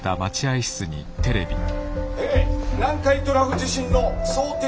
「え南海トラフ地震の想定